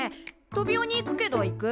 トビオに行くけど行く？